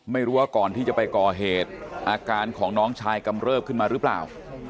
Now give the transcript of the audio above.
ไม่รู้ว่าก่อนที่จะไปก่อเหตุอาการของน้องชายกำเริบขึ้นมาหรือเปล่า